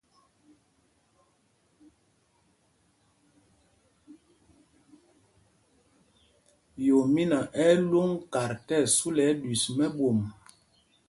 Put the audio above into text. Yoomína ɛ́ ɛ́ lwōŋ kat tí ɛsu lɛ ɛɗüis mɛ́ɓwôm.